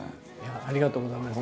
ありがとうございます。